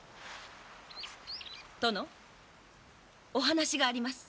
殿お話があります。